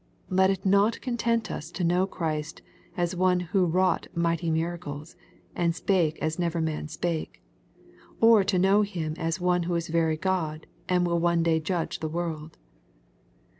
Let it not content us to know Christ as one who wrought mighty miracles, and spake as never man spake ; or to know Him as One who is very God, and will one day judge the world.